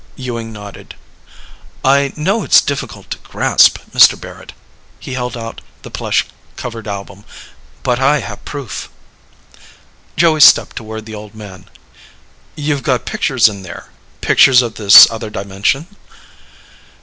Ewing nodded. "I know it's difficult to grasp, Mr. Barrett." He held out the plush covered album. "But I have proof." Joey stepped toward the old man. "You've got pictures in there pictures of this other dimension?"